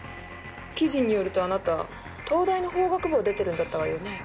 記事によるとあなた東大の法学部を出てるんだったわよね？